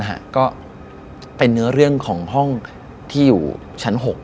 ก็เป็นเนื้อเรื่องของห้องที่อยู่ชั้น๖